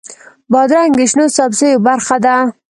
بادرنګ د شنو سبزیو برخه ده.